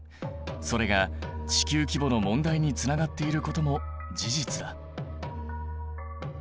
それが地球規模の問題につながっていることも事実だ。